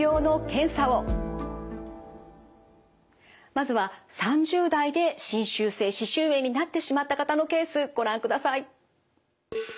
まずは３０代で侵襲性歯周炎になってしまった方のケースご覧ください。